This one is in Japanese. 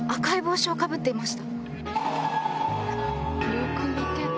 よく見てた！